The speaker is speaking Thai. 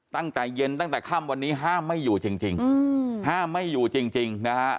ตั้งแต่เย็นตั้งแต่ค่ำวันนี้ห้ามไม่อยู่จริงห้ามไม่อยู่จริงนะฮะ